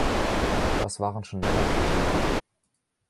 Was waren schon Männer für sie!